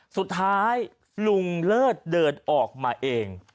สุดท้ายลุงเลิศเดินออกมาเอง